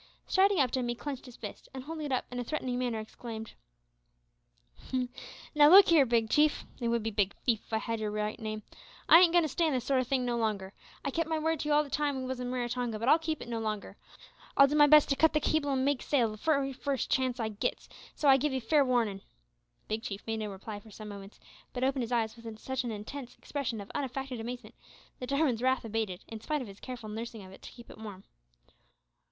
Striding up to him he clenched his fist, and holding it up in a threatening manner, exclaimed "Now look 'ee here, Big Chief which it would be big thief if 'ee had yer right name I ain't goin' to stand this sort o' thing no longer. I kep' my word to you all the time we wos at Raratonga, but now I'll keep it no longer. I'll do my best to cut the cable and make sail the wery first chance I gits so I give 'ee fair warnin'." Big Chief made no reply for some moments, but opened his eyes with such an intense expression of unaffected amazement, that Jarwin's wrath abated, in spite of his careful nursing of it to keep it warm.